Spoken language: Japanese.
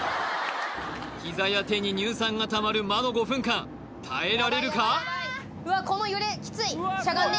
膝や手に乳酸がたまる魔の５分間耐えられるか？